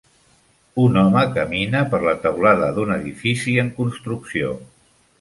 Un home camina per la teulada d'un edifici en construcció.